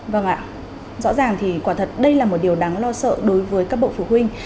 vâng ạ thì quả thật đây là một điều đáng lo sợ đối với các bộ phụ huynh